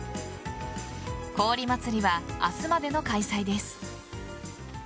氷まつりは明日までの開催です。